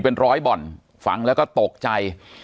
ปากกับภาคภูมิ